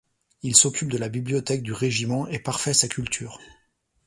Il s'occupe de la bibliothèque du régiment et parfait sa culture.